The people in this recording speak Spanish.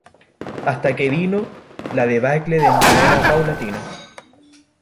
Hasta que vino la debacle de manera paulatina.